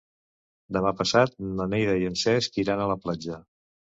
Demà passat na Neida i en Cesc iran a la platja.